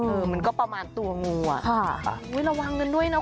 เออมันก็ประมาณตัวงูอ่ะค่ะโอ้ยระวังกันด้วยนะ